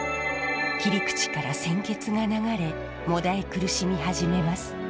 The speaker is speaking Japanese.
切り口から鮮血が流れもだえ苦しみ始めます。